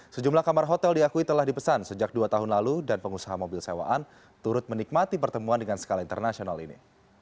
sejumlah kamar hotel diakui telah dipesan sejak dua tahun lalu dan pengusaha mobil sewaan turut menikmati pertemuan dengan skala internasional ini